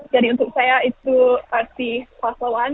jadi untuk saya itu arti pahlawan